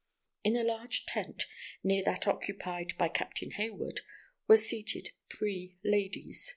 In a large tent, near that occupied by Captain Hayward, were seated three ladies.